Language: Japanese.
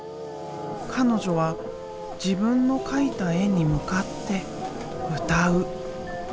彼女は自分の描いた絵に向かって歌う。